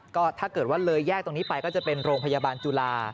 ก็ถ้าเกิดว่าเลยแยกตรงนี้ไปก็จะเป็นโรงพยาบาลจุฬา